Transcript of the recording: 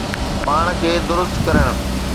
پاڻ کي درست ڪرڻ